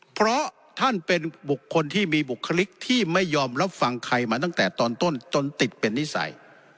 เพราะท่านเป็นบุคคลที่มีบุคลิกที่ไม่ยอมรับฟังใครมาตั้งแต่ตอนต้นจนติดเป็นนิสัย